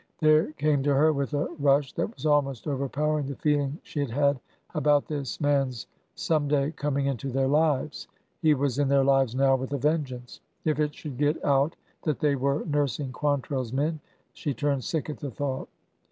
There came to her, with a rush that was almost over powering, the feeling she had had about this man's some day coming into their lives. He was in their lives nov/ with a vengeance! If it should get out that they were nursing Quantrell's men— she turned sick at the thought.